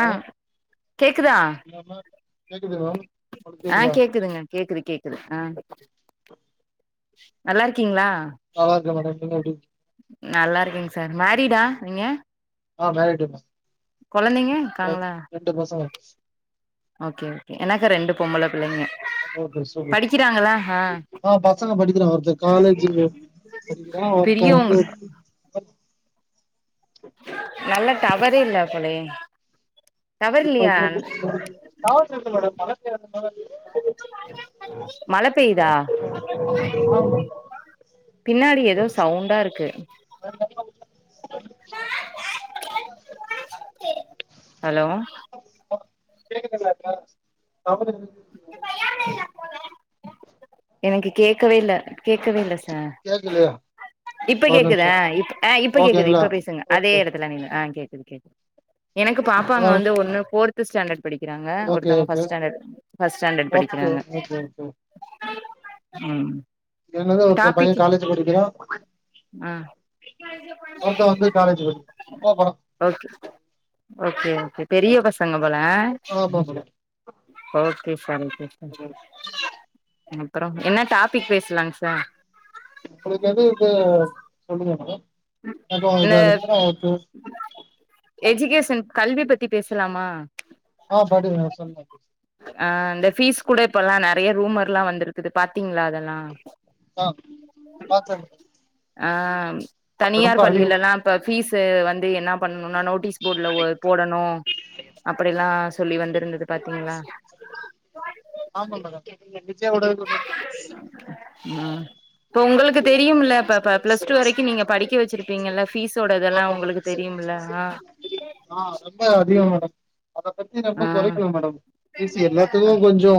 ஆ கேக்குதா கேக்குதுங்களா ஆ கேக்குதுங்க கேக்குது கேக்குது ஆ நல்லாருக்கீங்ளா நல்லா இருக்கே மேடம் நீங்க எப்டி நல்லாருக்கேங் சார் [unintelligible] நீங்க ஆ மேரிட் கொழந்தைங்க இருக்காங்ளா ஓகே ஓகே எனக்கு ரெண்டு பொம்பள பிள்ளைங்க படிக்கிறாங்களா ஆ ஆ பசங்க படிக்கிறா ஒருத்த காலேஜு படிக்கிறா ஒருத்த பெரியவங்க வந்து நல்ல டவரே இல்ல போலயே டவர் இல்லையா [unintelligible] இருக்கு மேடம் [unintelligible] மழ பெயுதா ஆமா. பின்னாடி எதோ சவுண்டாருக்கு [unintelligible] ஹலோ கேக்குதுல்லக்கா தாம எனக்கு கேடக்கவே இல்ல கேட்கவே இல்ல சா ஆ கேக்கலையா இப்ப ஒரு கேக்குது நிமிஷோ ஆஹ் இப்ப கேக்குது ஓகேங்களா இப்ப பேசுங்க அதே ஓகே இடத்துல நீங்க ஆ கேக்கு இருக்கே எனக்கு ஹலோ பாப்பாங்வந்து ஒண்ணு போரு த்ஸ்டண்டட் படிக்றாங்க ஓகே ஒருத்தவங்க okay first standard first standard okay படிக்றாங்க ஓகே ஓகே ம் என்னது ஒருத்த பைய டாபிக் காலேஜ் படிக்கிறா ஆ ஒருத்த வந்து காலேஜ் படிக்கிறா அப்பா படம் ஓகே ஓகேஓகே பெரிய பசங்க போல ஆமா மேடம் ஆ ஓகே சரி [inaudible] அப்ரோ என்ன டாபிக் பேசலாங் சார் சொல்லுங்கமேடம் [inaudible] எஜுகேஷன் கல்விபத்தி பேசலாமா ஆஹ் படுவே நசொன்னேன் ஆ இந்த ஃபீஸ் கூட இப்பலா நறய ரூமர்லா வந்திருக்குது பாாரத்தீங்ளா அதெலா ஆஹ் ஆ சர் ஆஹம் தனியார் பள்ளியிலல்லாம் ப்ப ஃபீஸ் வந்து வந்து என்ன பண்ணணுன்னா நோட்டீஸ் போட்ல ஒ போடணு அப்படிலா சோல்லி வந்திருந்துது பத்தீங்களா ஆமா ம் [unintelligible] இப்ப உங்களுக்கு தெரியும்ல ப்ப இப்ப பிளஸ்டூ வரைக்கு நீங்க படிக்க வச்சிரு ஆ ஆஹ் ரொம்ப அதிகம் மேடம் அதபத்தி ரொம்ப ஆ குறைக்கனு மேடம் பேசி எல்லாத்துக்கு கொஞ்சோ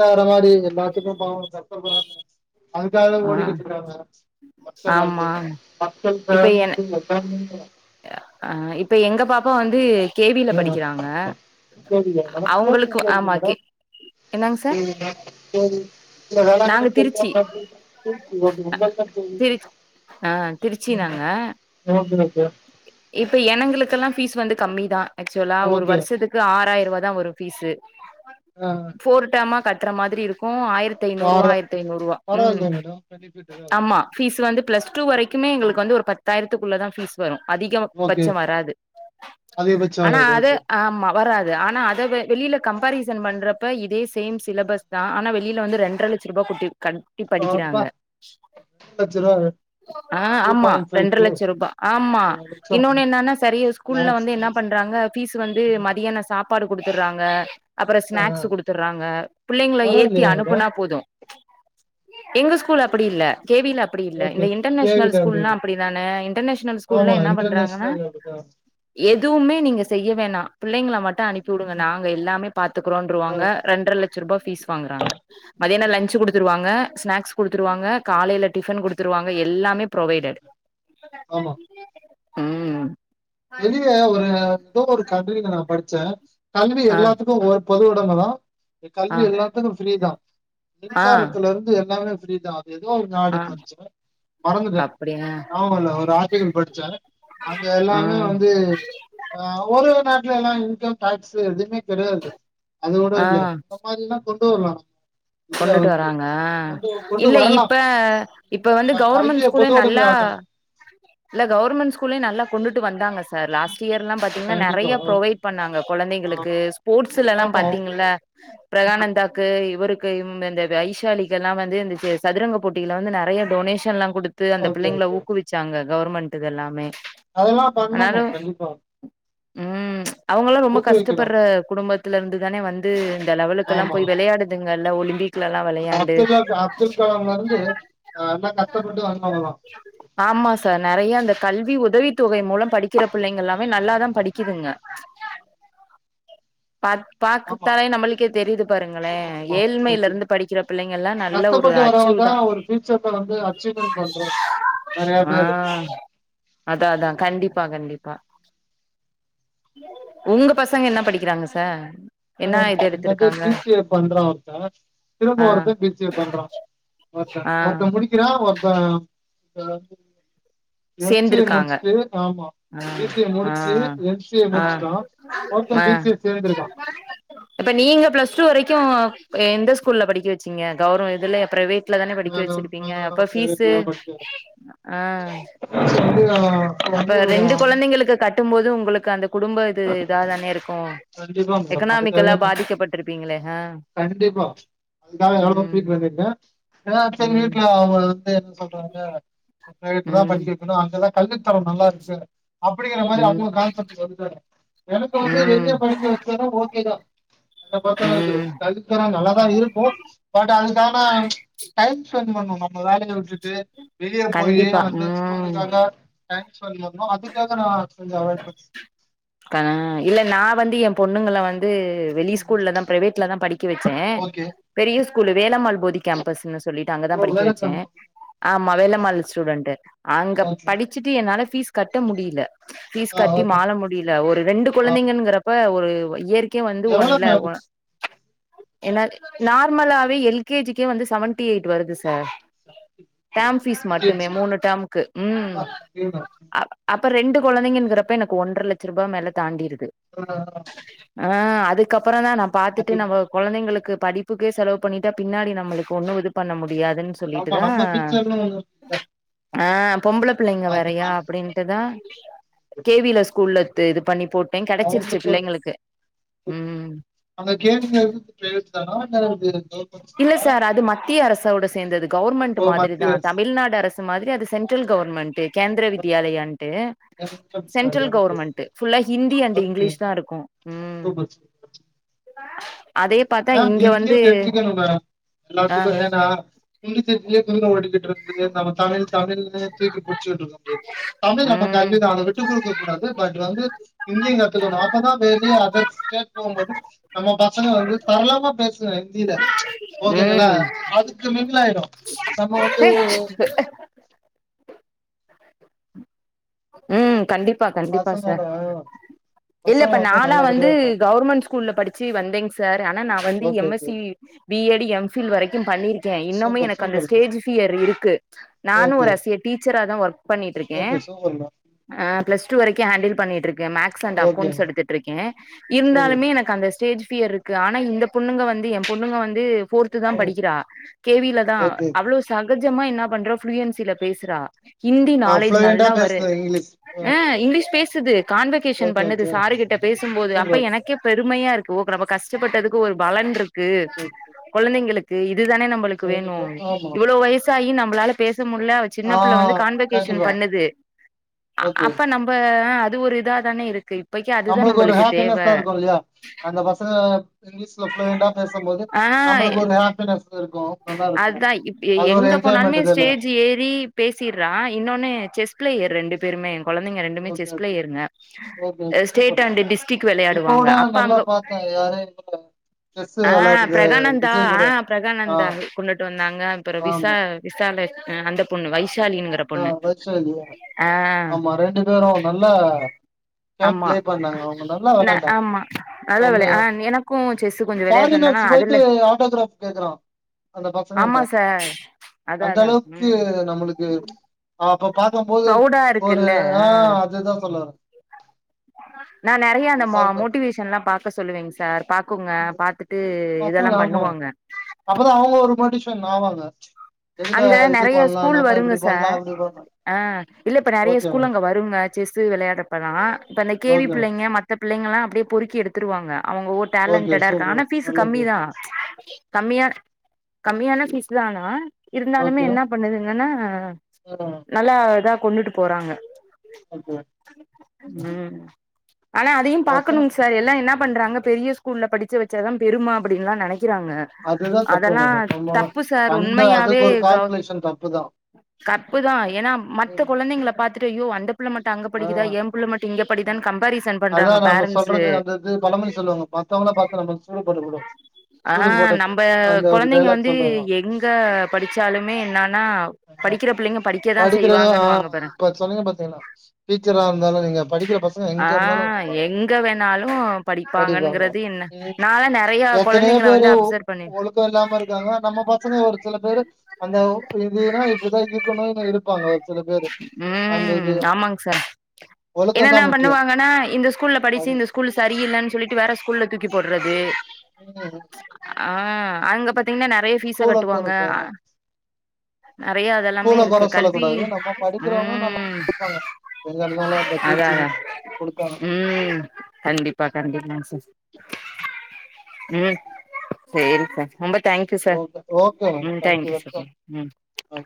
வேற மாரி எல்லாத்துக்கு பாவோ கஷ்டப்படுறாங்க அதுக்காக ஆ ஓடிகிட்டு இருக்காங்க ஆமா [inaudible] ம் ஆஹ் இப்ப எங்க பாப்பா வந்து கே வி ல ஹ படிக்கிறாங்க சேரி மேடம் கே வி அவங்களுக்கு எங்க இருக்கு ஆமா கே மேடம் என்னங்க கே சார் வி னா கே வி நாங்க வேளாங்கண்ணின்னு திருச்சி சொல்லுவாகளே திரு ஆ திருச்சி நாங்க [inaudible] இப்ப என்னங்களுக்கெல்லா பீஸ் வந்து கம்மி தா ஆக்சுவலா ஒரு ஓகே. வருஷத்துக்கு ஆறாயிர ரூபா தா வரோ ஃபீஸ்சு ஆ ஃபோர் டெமா கட் கட்ர மாதிரி இருக்கோ ஆயிரத் ஆயிரத்தி ஐநூறு பர ரூபா ஆயிரத்தி ஐநூறு ரூபா ம் பரவாயில்லையா மேடம் பெனிஃபிட் தா ஆமா அது பீஸ் வந்து பிளஸ் டூ வரைக்குமே எங்களுக்கு வந்து ஒரு பத்தாயிரத் இது குள்ள தா ஃபீஸ் வரோ ஓகே அதிகபட்சம் வராது அதிகபட்ச ஆனா வராது அத ஓகே வராது ஆனா அத வெளியில கம்பாரிசன் பண்றப்ப இதே பீஸ் சேம் சிலபஸ் தா ஆனா வெளியில வந்து ரெண்டர லட்ச ரூபா கொட்டி கட்டி அப்பா படிக்கிறாங்க ரெண்டு லட்ச ரூபா ஆஹ் டூ ஆமா பாயிண்ட் ஃபைவ் ரெண்டர க்ரோர் லட்ச ரூபா ஆமா லட்சம் இன்னொன்னு என்னன்னா சரியா ஸ்கூல்ல லாக்ஸ் வந்து என்ன பண்றாங்க ஃபீஸ் வந்து ஆ மதியான சாப்பாடு குடுத்துட்றாங்க அப்புறோ ஆ ஸ்நாக்ஸ் குடுத்துட்றாங்க பிள்ளைங்கள ஏத்தி பரவாயில்லையே மேடம் அனுப்புனா போதோ எங்க ஸ்கூல் அப்டி இல்ல கே வி ல அப்டி இல்ல ஓகே இந்த இன்டர்நேஷனல் கேவில அப்படி ஸ்கூல்லா இருக்கு அப்டித்தானே இன்டர்நேஷனல் த ஸ்கூல்ல ஆமா என்ன பண்றாங்கன்னா இன்டர்நேஷனல் அப்படிதான் எதுவுமே நீங்க செய்ய வேணா பிள்ளைங்கலா மாட் டோ அனுப்பி விடுங்க ம், நாங்க எல்லாமே பாத்துக்குறோம் ஆ, அப்டின்றுவாங்க இரண்டரை லட்ச ரூப பீஸ் வாங்குறாங்க மதியம் லஞ்ச் குடுத்துருவாங்க ஸ்நாக்ஸ் குடுத்துருவாங்க காலையில டிஃபன் குடுத்துருவாங்க எல்லாமே ம். ப்ரொவைடட் ஆமா உம் வெளியே ஒரு ஏதோ ஒரு கண்ட்ரில நா படிச்சே கல்வி ஆ எல்லாத்துக்கோ ஒரு பொதுவுடம தா இந்த ஆ கல்வி எல்லாத்துக்கோ ஃப்ரீதா ஆ மின்சாரத்துல இருந்து எல்லாமே ஃப்ரீதா எதோ ஒரு நாடு ஆ படிச்சே மறந்துட்டே அப்படியா நியாபக இல்ல ஒரு ஆர்டிக்கல் படிச்சே அங்க எல்லா ஆ வெளிய வந்து அஹ் வெளிநாட்லலா இன்கம் டாக்ஸ் ஸு எதுவு தெரியாது ஃபஸ்ட் அது கூட இல்ல ஆ அந்த மாரிலா உண்டியல்ல கொண்டுட்டு வராங்க கொண்டு இல்ல வரலாம். இப்ப இப்ப வந்து க கவர்மெண்ட் கல்விய ஸ்கூலே பொதுவுடைமை நல்லா ஆக்கணும். இல்ல கவர்மெண்ட் ஸ்கூலே நல்லா கொண்டுட்டு வந் தாங்க சார் லாஸ்ட் இயர்லா பாத்தீங்னா கண்டிப்பா. நெறைய ப்ரொவைட் பண்ணாங்க ஆ. கொழந்தைங்களுக்கு ஸ்போர்ட்ஸ் ஸ்லலாம் ஆமா. பாத்தீங்கள்ல பிரயானந்தாக்கு இவருக் கு இந்தந்த வைசாலிகெல்லாம் வந்து இந்த செ சதுரங்க போட்டில வந்து நெறையா டொனேஷன்லா குடுத்து அந்த ஓகே, பிள்ளைங்கள ஓகே. ஊக்குவிச்சாங்க கவர்மெண்ட்டு இதெல்லாமே அதெல்லாம் ஆனாலு பண்ணணும். கண்டிப்பா. உம் அவ்ங்களா ரொம்ப ஊக்குவிக்கணும். கஷ்டப்பட்ற குடும்பத்துல இருந்து தானே வந்து இந்த லெவலுக்கெல்லா ஆமா. போய் வெளயாடுதுங் கள்ல ஒலிம்பிக் குலலா வெளையாண்டு அப்துல்லா அப்துல் கலாம்லருந்து அ எல்லாம் கஷ்டப்பட்டு வந்தவங்கதான். ஆமா சார் நெறையா இந்த கல்வி உதவித்தொகை மூலம் படிக்கிற பிள்ளைங்க எல்லாமே நல்லாதா படிக்குதுங்க பா ஆமா, பாக்கப்பே நம்மளுக்கே தெரியுது பாருங்களே ஆமா. ஏழ்மைல கண்டிப்பா. இருந்து படிக்கிற பிள்ளைங்கலா நல்ல ஒரு கஷ்டப்பட்டு வரவங்க அச்சீவ் தா தான் ஒரு ஃபியூச்சர்ல வந்து அச்சீவ்மென்ட் பண்றோம். நெறைய பேரு. ஆஹ் அதா அதா கண்டிப்பா கண்டிப் பா உங்க பசங்க என்ன படிக்கிறாங்க சார் என்ன ஆஹ் இது எ மக எடுத்திருக்காங்க? பி சி எ பண்றா ஒருத்த திரும்ப ஆ ஒருத்த பி சி எ பண்றா ஒருத்த ஆ ஒருத்த முடிக்கிறா ஒருத்த இப்பலருந்து எம் சி எ சேந்திருக்காங்க முடிச்ட்டு ஆமா ஆ பி சி எ ஆ முடிச்சு எம் சி எ ஆ முடிச்ட்டா ஒருத்த ஆ பி சி எ சேந்திருக்கா இப்ப நீங்க பிளஸ் டூ வரைக்கு அஹ் எந்த ஸ்கூல்ல படிக்க வச்சீங்க கவுர்ம இதுல பிரைவேட் ல தான படிக்க மேடம் வச்சிருப்பீங்க அப்ப ஃபீஸு பிரைவேட்ல ஆஹ் ட ஃபீஸ் வந்து டுவென்டி கூடலாம் கும் போது உங்களுக்கு அந்த குடும்ப இது இதா தானே இருக்கு கண்டிப்பா மேடம் எக்கனாமிக்கலா அதுக்காகதா பாதிக்கப்பட்டிருப்பீங்களே ஆ கண்டிப்பா அதுக்காக நானுமே ம் ஃபீல் பண்ணீட்டே எல்லாரு செரின் ம் வீட்ல அவ சேரினு சொல்றாங்க ப்ரைவேட்லா ம் படிக்க வெக்குனு அங்க தா கல்வித்தரம் நல்லாருக்கு அப்பிடிங்கிற மாரி ம் அவுங்க கான்செப்ட்டு சொல்றாங்க எனக்கு வந்து வெளிய ம் படிக்க வச்சாலு ஓ கேதா என்ன பொர்த்த ம் [unintelligible] கல்வித்தரோ நல்லாதா இருக்கு பட் அதுக்கான ச்ச டைம் ஸ்பெண் பண்ணு நம்ம வேலய விட்டுட் ட்டு வெளியே போயி கண்டிப்பா அந்த ம் ஸ்கூலுக்காக டைம் ஸ்பெண் பண்ணு அதுக்காக நா கொஞ்சோ அவாய்ட் பண் [unintelligible] அ இல்ல நா வந்து எ பொண்ணுங்கள வந் து வெளி ஸ்கூல்ல தா ப்ரேவேட்ல தா படிக் க வச்சே ஓகே பெரிய ஸ்கூலு வேலம்மாள் போதி கேம்பஸ்ன்னு சொல்லிட்டு அங்கதா ஓ படிக்க வெச்சே வேலக்காரமா ஆமா வேலம்மாள் ஸ்டூடண்ட்டு அங்க ஓகே படிச்சுட்டு என்னால ஃபீஸ் கட்ட முடியில ஃபீஸ் ஆ கட்டி ஓகே மால முடில ஒரு ரெண்டு ஆ கொழந்தைங்கன்ங்றப்போ அ ஒரு வ இயர் க்கே வந்து எவ்வளோ ஒண்ல மேம் ஒன் ஏன்னா நார்மலாவே எல்கேஜிக்கே வந்து செவன்டி யேட் வருது சா க டேம் ஃபீஸ் மட்டுமே எல்கேஜி மூணு டேம்க்கு ம் அப்பா அதேதா அ அப் ப்ப ரெண்டு கொழந்தைகங்கிறப்ப எனக்கு ஒன்ற லட்ச ரூபா மேல தாண்டிரு [inaudible] அ அதுக்கப் பறோ தா நா பாத்துட்டு அது நம்ம கொழந்தைங்களுக்குப் படிப்புக்கே செலவு பண்ணிட்டா பின்னாடி நம்மளுக்கு ஒன்னு இது பண்ண மு டியாதுன்னு ஆமா சொல்லிட்டுதா நம்ம பீச்சர்னு ஒண்ணு இருக்கு அ பொம்பள பிள்ளைங்க இல்லையா வேறயா அது அப்டின்ட்டுதா கேவில ஸ் கூல்லத்து இது பண்ணிப் அவங்களுக்கு ஒரு ம் அந்த கேமிங்க எதுத்து பேசு தானா இல்ல [unintelligible] தவுடஸ் சேர்ந்தது கவர்மெண்ட் ஓ மாதிரி தா மத்திய அரசு தமிழ்நாடு அரசு மாதிரி அது சென்ட்ரல் கவர்மெண்டே கேந்திர வித்தியாலயாண்ட்டு சென்ட்ரல் ஓகே கவர்மெண்ட் புல்லா ஹிந்தி அண்ட் ஓகே இங்கிலீஷ் தா இருக்கு உம் சூப்பர் சூப்பர் [unintelligible] மேம் எங்கயோ பேசிகிட்டே இருந்த மேடம் ஆ எல்லாத்துக்கு [unintelligible] இன்னு ஓடிக்கிட்டுற்கு [unintelligible] தமிழ்ழே தூக்கி புடிச்சுட்டு இருக்க முடியாது தமிழ் நம்ம ம் கல்விதான விட்டுக் கொடுக்க கூடாது பட் வந்து இந்தியு கத்துக்கணு அப்பதா வெளிய அதர் ஸ்டேட் போகும்போது நம்ம பசங்க வந்து சரலமா பேசுவே இந்தில ஓகேங்களா அதுக்கு மே ஃபுல்லாயிடு ஹச் ம் கண்டிப் ப்பா கண்டிப்பா பசங்கள சார் பசங்க இல்லப்ப நானா வந்து நல்லபடியா பாத்து கவர்மெண்ட் ஸ்கூல்ல படிச்சு வந்தேங்க சார் ஆனா நா வந்து okay M S okay C B எடு எம் பில் வரைக்கு பண்ணிருக்கே இன்னுமே சூப்பர் எனக்கு அந்த சூப்பர் மேம் ஸ்டேஜ் பியர் இருக்கு நானும ஓகே ஒரு ஆஸ் எ டீச்சரா தா ஒர்க் பண்ணிட்ருக்கே ஓகே சூப்பர் மேம் அ பிளஸ்டு வரைக்கு ஹேண்டில் பண்ணிற்றிக்கே maths and okay accounts ma'am எடுத்துட்டு இருக்கே சூப்பர் இருந்தாலுமே எனக்கு அந்த ஸ்டேஜ் பியர் இருக்கு ஆனா இந்த பொண்ணுங்க வந்து ஏ பொண்ணுங்க வந்து போர்து தா மேம் படிக்கிறா கேவியில தான ஓகே அவ்ளோ சக ஜமா என்ன பண்ற ஃப்ளுவென்சியா பேசுறா நா ஆ்ப்ளூயண்டா பேசுறது இங்கிலீஷ் ஆ ஆஹ் இங்கீஷ் ஸ் பேசுது கான்வெகேஷன் ஓகே, பண்ணுது ஓகே. சாரு கிட்ட பேசும்போது அப்ப சூப்பர். எனக்கே பிரப் அருமையா இருக்கு ஓ நம்ம கஷ்டப்பட்டதுக்கு ஒரு பலன்ருக் க்கு ஓகே, ஓகே. குழந்தைங்களுக் தையுப் இதுதானே நம்மளுக்கு வேணு கண்டிப்பா. ஆமா. இவ்வளோ வயசு காயி நம்ளால பேச த்து முட்ல அவ சின்ன ஆ பிள்ள வந்து கான்வகேஷன் கண்டிப்பா. பண்ணுது அ ஓகே. அப்ப நம்ம அது ஒரு இதா தானே இருக்கு இப்பைக்கு அதுதா நம்மளுக்கு ஒரு தேவ ஹாப்பினஸ் ஆ இருக்கு இல்லையா அந்த பசங்க இங்கிலீஷ்ல ஃப்ளுயெண்டா பேசு போது ஆ நம்மளுக்கு ஒரு ஹாப்பினஸ் இருக்கு அதுதா இப்எங்க போனாலுமே தான. ஸ்டேஜ் ஏறி பேசிடுறா இன்னொன்னு செஸ் பிளே ரெண்டு பேருமே என் கொழந்தைங்க ரெண்டுமே ஓகே, செஸ் ஓகே. பிளேருங்க okay, okay. State super. And district இப்போ விளையாடுவாங்க கூட அப்ப நல்லா அங்க பார்த்தேன். யாரு இவங்க செஸ் ஆ விளையாடுறது பிரகானந்தா விஜய் ஆ கூட. ஆ பிரகானந்தா கொண்டுட்டு வந்தாங்க அப்றோ விசா ஆமா. விசால ஆ அந்த பொண்ணு வைசாலிங்கர ஆ பொண்ணு வைஷ்ணவி. ஆ ஆமா பேரும் நல்லா கேம் ஆமா ப்ளே பண்ணாங்க. அவங்க நல்லா இல்ல விளையாண்டாங்க. ஆமா நல்ல வேளைய செம்மையா ஆ எனக்கு செஸ் ஃபாரினர்ஸ் போயிட்டு ஆட்டோகிராப் கேக்கற அந்த ஆமா பசங்கள்டே சார் அதா அந்த அதா அளவுக்கு ம் நம்மளுக்கு அப்ப பாக்கபோது ப்ரௌடா ஒரு இருக்குல்ல ஆ அதுதா சொல்ல வரே நா நெறைய அந்த ம சவுண்ட் மோட்டிவேஷன்லா பாக்க சொல்லுவேங் சார் பாக்குங்க பாத்துட்டு இதெல்லா பசங்க ஆமா பண்ணுவாங்க அப்பதான் அவங்க ஒரு மோட்டிவேஷன் ஆவாங்க எதுல அங்க இது நெறைய பண்ணலாம் ஸ்கூல்ல நம்ம வருங்க இப்படி சார் பண்ணலாம் அப்படி பண்ணலாம் ஆ இல்ல இப்ப நெறைய ஓகே ஸ்கூல் மேம் அங்க வருங்க செஸ் வெளையாற அப்பளா இப்ப அந்த கே வி ஓகே பிள்ளை மேம் மத்த பிள்ளைல்லா அப்படியே பொறுக்கி எடுத்து திருவாங்க அவங்க ஓ ஓகே டேலென்டடா இருக்காங்க சூப்பர் ஆனா ப்ஃபீஸ் நல்லது கம்மிதா கம்மியா கம்மியான ஃபீஸ் தானா இருந்தாலுமே ஓகே என்ன பண்ணுதுங்கன்னா நல்லா இதா கொண்டுட்டு போறாங்க ஓகே உம் ஆனா அதையு பசங்க பாக்கணுங்க சார் எல்லா என்ன பண்றாங்க பெரிய ஸ்கூல்ல படிச்ச வெச்சதா பெருமா அப்படின்னுல்ல நெனைக் கிறாங்க அதுதான் தப்பு அதெல்லா மேடம் நம்ம தப்பு சார் அந்த உண்மையாக [unintelligible] அதுக்கு ஒரு கால்குலேஷன் தப்பு தான் கப்புதா ஏன்னா மற்ற கொழந்தைங்க பாத்து த்தேயூ அந்த பிள்ள மட்டு அங்க படிக்குதா ஆஹ் என் பிள்ள மட்டு இங்க படிடா கம்பரிசன் பண்றாங்க அதான் நம்ம பேரண்ஸ் சொல்றது அந்த இது பழமொழி சொல்லுவாங்க மத்தவங்கள பார்த்து நம்ம சூடு போட்டக்கூடாது ஆ சூடு போட்ட நம்ம அந்த ஒரு கொழந்தைங்க டைலாக் வந்து சொல்லுவாங்க எங்க படிச்சாலுமே என்னன்னா ஆ, படிக்கிற பிள்ளைங்க படிக்கதா படிக்கிறது ஆ, செய்வாங்கன்னு வாங்க பாறே இப்ப சொன்னீங்க பாத்தீங்கன்னா டீச்சரா இருந்தாலும் நீங்க படிக்கிற பசங்க ஆ எங்க இருந்தாலும் இருப்பாங்க எங்க வேணாலு படிப்பாங்க படிப்பாங்கங்கிறது என்ன ம், நாலா நொ எத்தனையோ பேரு ஒழுக்கம் இல்லாம இருக்காங்க நம்ம பசங்க ஒரு சில பேரு அந்த இதுன்னா இப்படிதான் இருக்கணும் இருப்பாங்க ஒரு சில பேரு அந்தது என்னன்ன பண்ணுவாங்கன்னா இந்த ஸ்கூல்ல படிச்சு அது இந்த ஸ்கூல் சரியில்லன்னு சொல்லிட்டு வேற ஸ்கூல்ல தூக்கி போடுறது ஆஹ் அங்க பத்த தீங்கன்னா நிறைய பீஸ ஸ்கூலை குறை கட்டுவாங்க நிறைய அதெல்லாமே ஸ்கூலை இருக்கு குறை கல்வி சொல்லக்கூடாது நம்ம படிக்கிறவங்க நல்லா உம் இருப்பாங்க எங்க இருந்தாலும் அந்த அத டீச்சிங் அதான் குடுத்தாங்கன்னா உம் கண்டிப்பா கண்டிப்பா சார் [inaudible] உம் சேரிபா ரொம்ப thank you sir okay okay ma'am ம் தேங்க்யூ வெல்கம் ம் ஆ